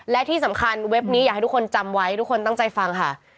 และที่สำคัญเว็บนี้อยากให้ทุกคนจำไว้ทุกคนตั้งใจฟังค่ะ